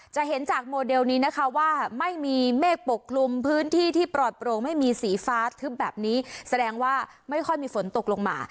จะเห็นจากโมเดลนี้นะคะว่าไม่มีเมฆปกคลุมพื้นที่ที่ปลอดโปร่งไม่มีสีฟ้าทึบแบบนี้แสดงว่าไม่ค่อยมีฝนตกลงมา